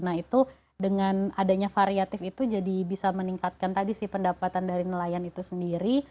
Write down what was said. nah itu dengan adanya variatif itu jadi bisa meningkatkan tadi sih pendapatan dari nelayan itu sendiri